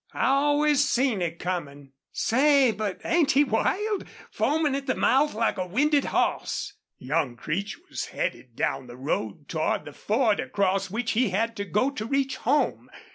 "I always seen it comin'." "Say, but ain't he wild? Foamin' at the mouth like a winded hoss!" Young Creech was headed down the road toward the ford across which he had to go to reach home.